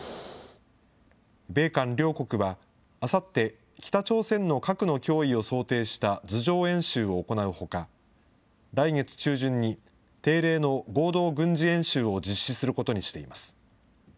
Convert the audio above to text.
米韓両国はあさって、北朝鮮の核の脅威を想定した図上演習を行うほか、来月中旬に定例の合同軍事演習を実施することにしています。